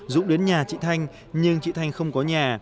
dũng đến nhà chị thanh nhưng chị thanh không có nhà